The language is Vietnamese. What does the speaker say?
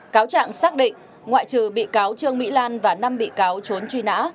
cáo trạng xác định ngoại trừ bị cáo trương mỹ lan và năm bị cáo trốn truy nã